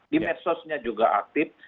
di medsosnya juga aktif